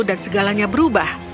dan segalanya berubah